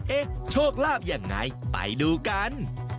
เอ๊ะโชคลาภอย่างไรไปดูกัน